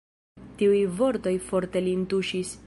Tiuj vortoj forte lin tuŝis.